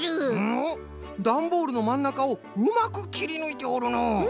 おっダンボールのまんなかをうまくきりぬいておるのう。